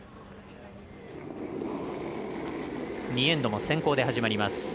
２エンドも先攻で始まります。